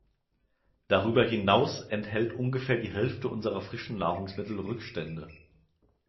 Darüber hinaus enthält ungefähr die Hälfte unserer frischen Nahrungsmittel Rückstände.